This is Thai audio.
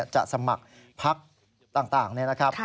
จะสมัครพักต่างนี่นะครับ